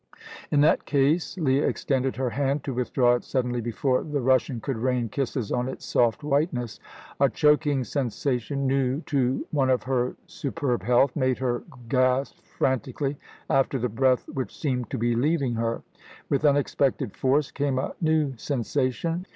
"In that case" Leah extended her hand, to withdraw it suddenly before the Russian could rain kisses on its soft whiteness. A choking sensation, new to one of her superb health, made her gasp frantically after the breath which seemed to be leaving her. With unexpected force came a new sensation.